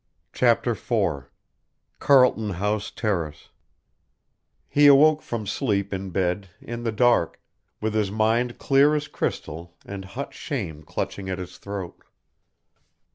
CHAPTER IV CARLTON HOUSE TERRACE He awoke from sleep in bed in the dark, with his mind clear as crystal and hot shame clutching at his throat.